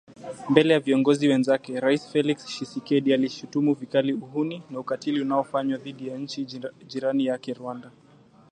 Mbele ya viongozi wenzake Rais Felix Tshisekedi alishutumu vikali uhuni na ukatili unaofanywa dhidi ya nchi ya jirani yake Rwanda